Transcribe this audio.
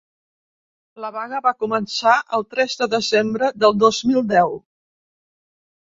La vaga va començar el tres de desembre del dos mil deu.